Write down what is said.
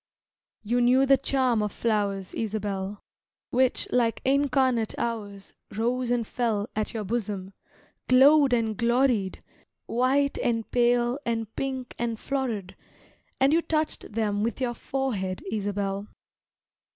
You knew the charm of flowers, Isabel, Which, like incarnate hours, Rose and fell At your bosom, glowed and gloried, White and pale and pink and florid, And you touched them with your forehead, Isabel.